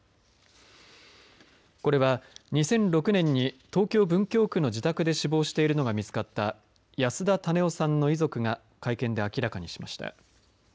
これは２００６年に東京・文京区の自宅で死亡しているのが見つかった安田種雄さんの遺族が会見で明らかにしました。